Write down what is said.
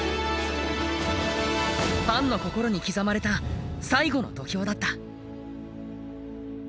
ファンの心に刻まれた最後の土俵だった。